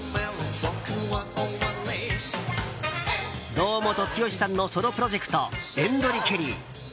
堂本剛さんのソロプロジェクトＥＮＤＲＥＣＨＥＲＩ。